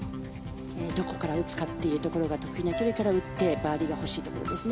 どこから打つかというところが得意な距離から打ってバーディーが欲しいところですね。